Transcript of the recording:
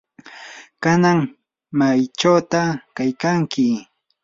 ¿kanan maychawta kaykanki?